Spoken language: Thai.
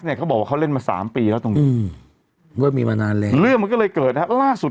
เนี่ยเขาบอกเขาเล่นมา๓ปีตรงนี้เรื่องมันก็เลยเกิดล่าสุด